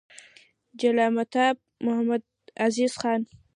جلالتمآب محمدعزیز خان: